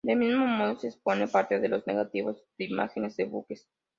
Del mismo modo, se expone parte de los negativos de imágenes de buques.